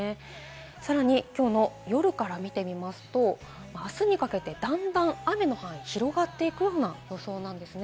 さらにきょうの夜から見てみますと、あすにかけて、だんだん雨の範囲、広がっていくような予想です。